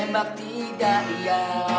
tembak tidak ya